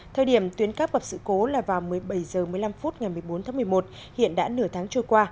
thời điểm tuyến cáp gặp sự cố là vào một mươi bảy h một mươi năm phút ngày một mươi bốn tháng một mươi một hiện đã nửa tháng trôi qua